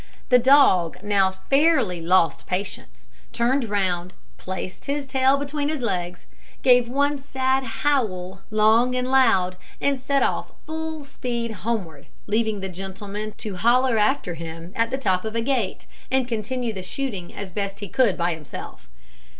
The dog now fairly lost patience, turned round, placed his tail between his legs, gave one sad howl, long and loud, and set off at full speed homeward, leaving the gentleman to holloa after him at the top of a gate, and continue the shooting as best he could by himself.